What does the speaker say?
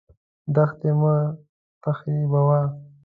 دښتې مه تخریبوه.